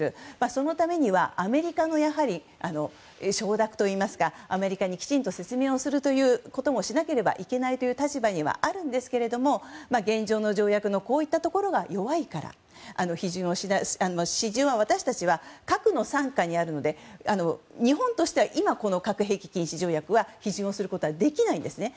そのためにはやはりアメリカの承諾というかアメリカにきちんと説明をするということもしなければいけない立場にはありますが現状の条約のこうしたところが弱いから批准は私たちは核の傘下にあるので日本としては今、核兵器禁止条約は批准することはできないんですね。